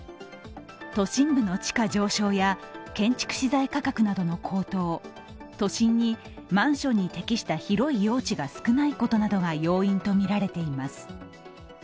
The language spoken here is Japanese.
都心部の地価上昇や建築資材価格などの高騰、都心にマンションに適した広い用地が少ないことなどが要因とみられています。